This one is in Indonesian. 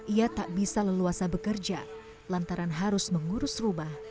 ia tak bisa leluasa bekerja lantaran harus mengurus rumah